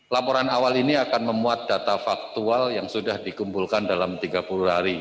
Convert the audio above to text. laporan awal ini akan memuat data faktual yang sudah dikumpulkan dalam tiga puluh hari